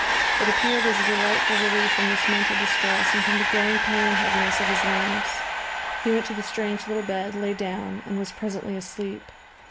It appeared as a delightful relief from this mental distress and from the growing pain and heaviness of his limbs. He went to the strange little bed, lay down and was presently asleep....